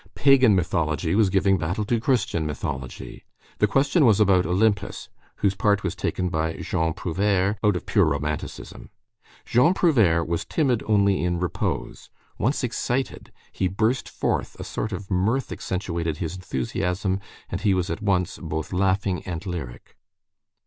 Pagan mythology was giving battle to Christian mythology. The question was about Olympus, whose part was taken by Jean Prouvaire, out of pure romanticism. Jean Prouvaire was timid only in repose. Once excited, he burst forth, a sort of mirth accentuated his enthusiasm, and he was at once both laughing and lyric.